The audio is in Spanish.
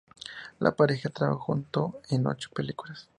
La pareja trabajó junta en ocho películas.